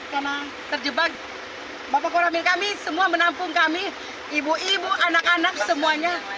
karena terjebak bapak koramil kami semua menampung kami ibu ibu anak anak semuanya